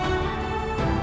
aku akan menunggu